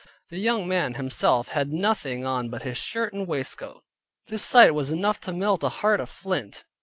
The young man himself had nothing on but his shirt and waistcoat. This sight was enough to melt a heart of flint.